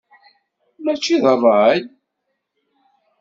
Mačči d rray.